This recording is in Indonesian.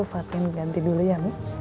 fatin ganti dulu ya